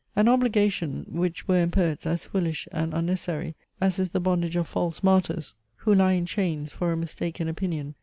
An obligation, which were in poets as foolish and unnecessary, as is the bondage of false martyrs, who lie in chains for a mistaken opinion.